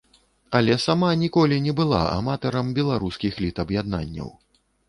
Але сама ніколі не была аматарам беларускіх літаб'яднанняў.